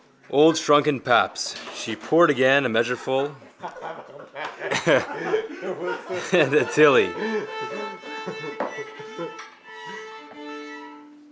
Old shrunken paps. She poured again a measureful and a tilly.